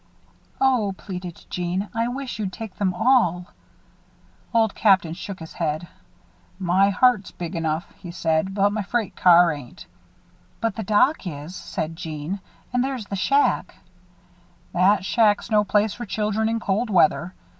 "Oh," pleaded Jeanne, "I wish you'd take them all." Old Captain shook his head. "My heart's big enough," he said, "but my freight car ain't." "But the dock is," said Jeanne. "And there's the shack " "That shack's no place for children in cold weather.